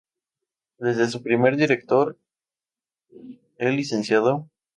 Desde su primer director, el Lic.